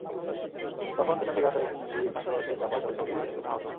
তখন পেছন থেকে আসা একটি মাইক্রোবাসের চাপায় সোহেলসহ দুই হোটেলকর্মী আহত হন।